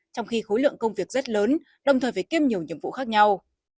trong khi khối lượng công việc rất lớn đồng thời phải kiêm nhiều nhiệm vụ khác nhau